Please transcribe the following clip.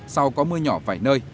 sau có mưa nhỏ vài nơi